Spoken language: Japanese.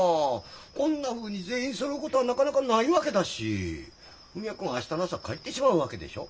こんなふうに全員そろうことはなかなかないわけだし文也君明日の朝帰ってしまうわけでしょう。